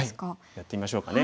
やってみましょうかね。